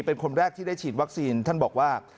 เป็นคนแรกที่ได้ฉีดวัคซีนท่านบอกว่า